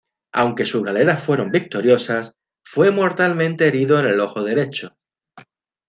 Aunque sus galeras fueron victoriosas, fue mortalmente herido en el ojo derecho.